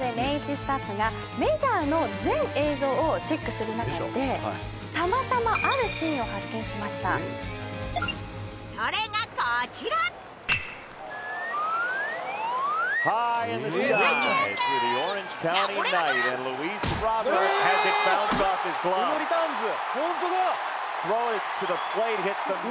スタッフがメジャーの全映像をチェックする中でたまたまあるシーンを発見しましたそれがこちら「オッケーオッケー」